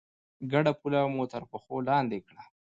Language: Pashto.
ګډه پوله مو تر پښو لاندې کړه.